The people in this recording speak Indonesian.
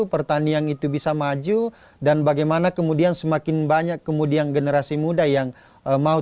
pertanian itu bisa maju dan bagaimana kemudian semakin banyak kemudian generasi muda yang mau